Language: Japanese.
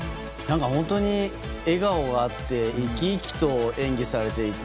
本当に、笑顔があって生き生きと演技されていて。